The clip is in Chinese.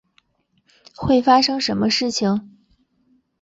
会发生什么事情？